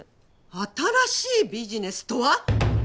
新しいビジネスとは！？